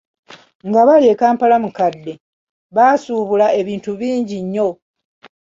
Nga bali e Kampala-Mukadde, baasuubula ebintu bingi nnyo.